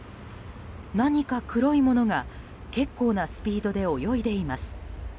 何か黒いものが結構なスピードで泳いでいます。